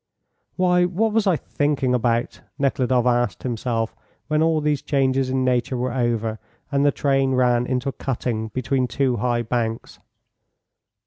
"Why, what was I thinking about?" Nekhludoff asked himself when all these changes in nature were over, and the train ran into a cutting between two high banks.